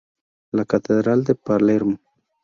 La catedral de Palermo.